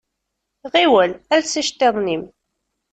Ɣiwel els iceṭṭiḍen-im.